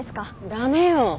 駄目よ。